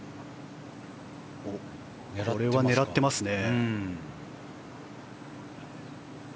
これは狙っていますね。